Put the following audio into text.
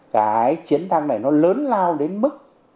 cái chiến thắng này nó lớn lao đến mức